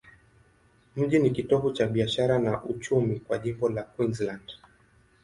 Mji ni kitovu cha biashara na uchumi kwa jimbo la Queensland.